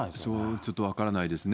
ちょっと分からないですね。